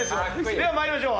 では参りましょう。